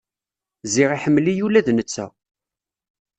Ziɣ iḥemmel-iyi ula d netta.